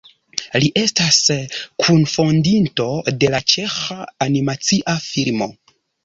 Li estas kunfondinto de la Ĉeĥa Animacia Filmo.